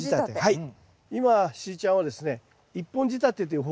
はい。